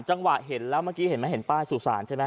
จังหวะเห็นแล้วเมื่อกี้เห็นไหมเห็นป้ายสุสานใช่ไหม